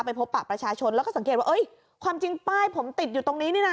พบปะประชาชนแล้วก็สังเกตว่าเอ้ยความจริงป้ายผมติดอยู่ตรงนี้นี่นะ